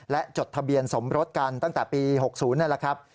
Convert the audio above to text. และจดทะเบียนสมรสกันตั้งแต่ปี๖๐นั่นแหละครับ